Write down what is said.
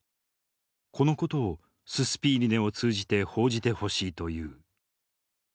このことをススピーリネを通じて報じてほしいという。